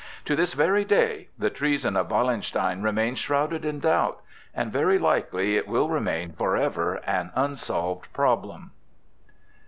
To this very day the treason of Wallenstein remains shrouded in doubt; and very likely it will remain forever an unsolved problem.